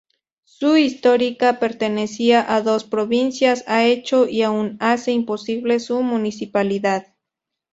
Su histórica pertenencia a dos provincias ha hecho, y aún hace, imposible su municipalidad.